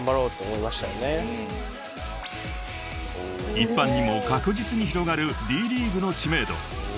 ［一般にも確実に広がるＤ．ＬＥＡＧＵＥの知名度］